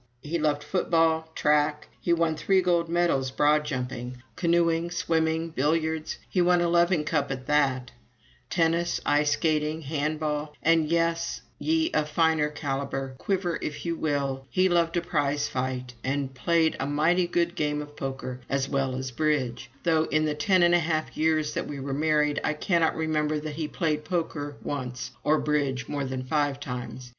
He loved football, track, he won three gold medals broad jumping, canoeing, swimming, billiards, he won a loving cup at that, tennis, ice skating, hand ball; and yes, ye of finer calibre, quiver if you will he loved a prize fight and played a mighty good game of poker, as well as bridge though in the ten and a half years that we were married I cannot remember that he played poker once or bridge more than five times.